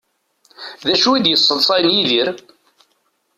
D acu i d-yesseḍṣayen Yidir?